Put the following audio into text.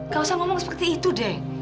gak usah ngomong seperti itu deh